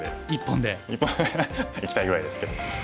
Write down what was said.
１本でいきたいぐらいですけど。